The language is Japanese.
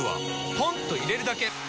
ポンと入れるだけ！